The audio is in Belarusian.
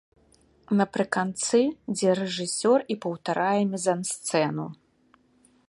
Напрыканцы, дзе рэжысёр і паўтарае мізансцэну.